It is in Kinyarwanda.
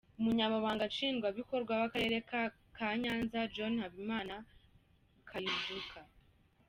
Umunyamabanga Nshingwabikorwa w’Akarere ka Nyanza, John Habimana Kayijuka .